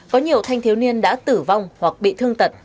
có nhiều thanh thiếu niên đã tử vong hoặc bị thương tật